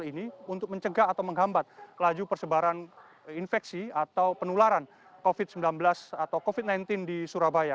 hal ini untuk mencegah atau menghambat kelaju persebaran infeksi atau penularan covid sembilan belas di surabaya